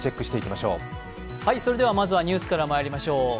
まずはニュースからまいりましょう。